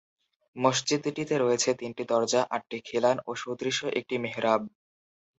মসজিদটিতে রয়েছে তিনটি দরজা, আটটি খিলান ও সুদৃশ্য একটি মেহরাব।